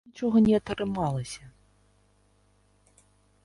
Чаму нічога не атрымалася?